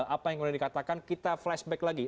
apa yang boleh dikatakan kita flashback lagi